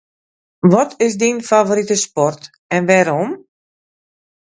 Wat is dyn favorite sport en wêrom?